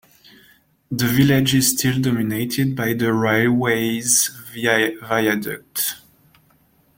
The village is still dominated by the railway's viaduct.